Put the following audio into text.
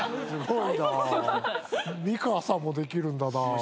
美川さんもできるんだな。